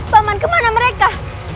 paman kemana mereka